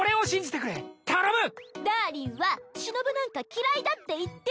ダーリンはしのぶなんか嫌いだって言ってるっちゃ。